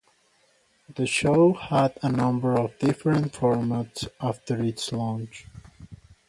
The show had a number of different formats after its launch.